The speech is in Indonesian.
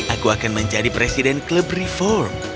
aku akan menjadi presiden klub reform